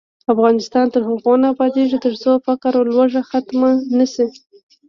افغانستان تر هغو نه ابادیږي، ترڅو فقر او لوږه ختمه نشي.